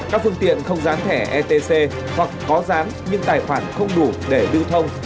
các phương tiện không dán thẻ etc hoặc có dán nhưng tài khoản không đủ để đưa thông